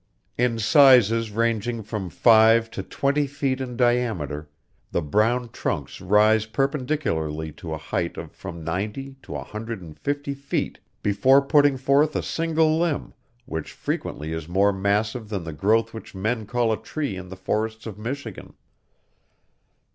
In sizes ranging from five to twenty feet in diameter, the brown trunks rise perpendicularly to a height of from ninety to a hundred and fifty feet before putting forth a single limb, which frequently is more massive than the growth which men call a tree in the forests of Michigan.